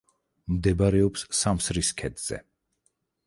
მდებარეობს სამსრის ქედზე.